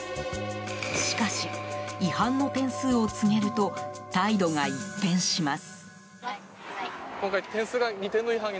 しかし、違反の点数を告げると態度が一変します。